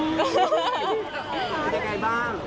ได้ไงบ้าง